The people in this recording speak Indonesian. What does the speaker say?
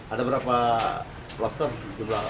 ada berapa lobster jumlah